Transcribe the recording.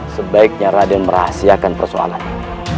sebaiknya raden merahasiakan persoalannya